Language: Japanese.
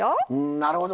なるほど。